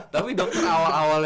tapi dokter awal awalnya